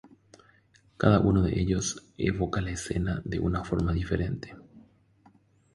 Cada uno de ellos evoca la escena de una forma diferente.